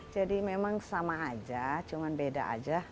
jadi memang sama aja cuman beda aja